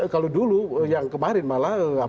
kalau dulu yang kemarin malah